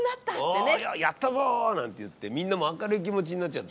「やったぞ！」なんて言ってみんなも明るい気持ちになっちゃって。